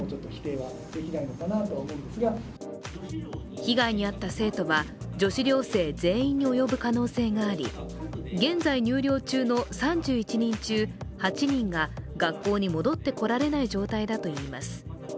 被害に遭った生徒は女子寮生全員に及ぶ可能性があり、現在入寮中の３１人中８人が学校に戻ってこられない状態だといいます。